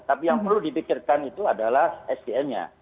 tapi yang perlu dipikirkan itu adalah sdm nya